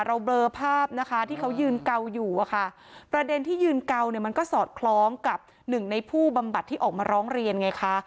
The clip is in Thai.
เบลอภาพนะคะที่เขายืนเกาอยู่อะค่ะประเด็นที่ยืนเกาเนี่ยมันก็สอดคล้องกับหนึ่งในผู้บำบัดที่ออกมาร้องเรียนไงคะ